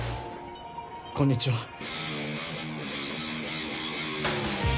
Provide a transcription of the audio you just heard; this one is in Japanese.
こんにちは。